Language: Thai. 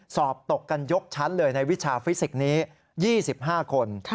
สอบตกกันยกชั้นเลยในวิชาฟิสิกส์นี้๒๕คน